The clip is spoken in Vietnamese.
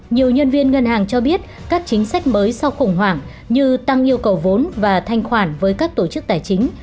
nhiều nhân viên ngân hàng cho biết các chính sách mới sau khủng hoảng như tăng yêu cầu vốn và thanh khoản với các tổ chức tài chính